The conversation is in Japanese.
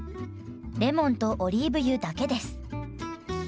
レモンとオリーブ油だけです。